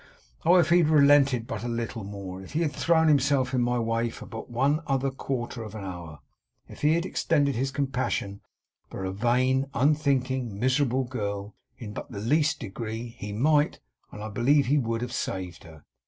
Oh! if he had relented but a little more; if he had thrown himself in my way for but one other quarter of an hour; if he had extended his compassion for a vain, unthinking, miserable girl, in but the least degree; he might, and I believe he would, have saved her!